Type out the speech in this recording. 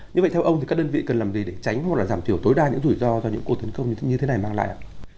như vậy theo ông thì các đơn vị cần làm gì để tránh hoặc là giảm thiểu tối đa những rủi ro do những cuộc tấn công như thế này mang lại ạ